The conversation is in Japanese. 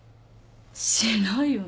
しないよ。